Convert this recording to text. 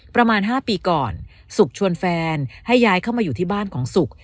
ประมาณ๕ปีก่อนสุขชวนแฟนให้ย้ายเข้ามาอยู่ที่บ้านของสุก